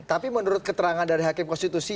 tapi menurut keterangan dari hakim konstitusi